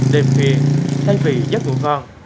đêm khuya thay vì giấc ngủ ngon